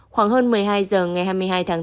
khoảng hơn một mươi hai h ngày hai mươi hai tháng bốn